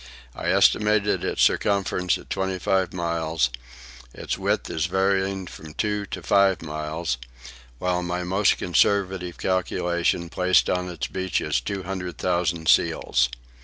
I estimated its circumference at twenty five miles, its width as varying from two to five miles; while my most conservative calculation placed on its beaches two hundred thousand seals.